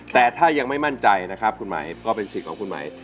แต่ถ้ายังไม่มั่นใจนะครับคุณหมายก็เป็นสิทธิ์ของคุณไหม